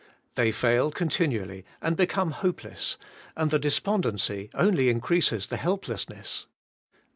They fail continually, and become hopeless; and the despondency only increases the helplessness.